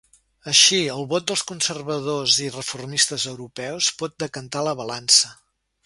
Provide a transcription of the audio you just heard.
Així, el vot dels conservadors i reformistes europeus pot decantar la balança.